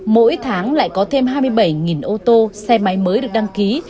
mỗi tháng lại có thêm hai mươi bảy ô tô xe máy mới được đăng ký